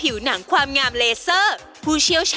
มันยกหลังเลยเนี่ย